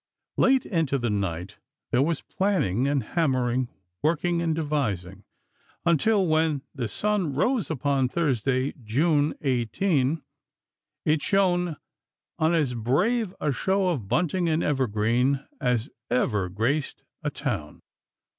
Late into the night there was planing and hammering, working and devising, until when the sun rose upon Thursday, June 18, it shone on as brave a show of bunting and evergreen as ever graced a town.